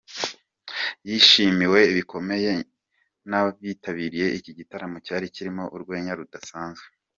Yishimiwe bikomeye n’abitabiriye iki gitaramo cyari kirimo urwenya rudasanzwe.